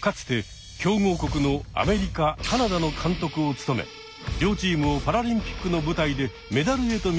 かつて強豪国のアメリカカナダの監督を務め両チームをパラリンピックの舞台でメダルへと導いた名将です。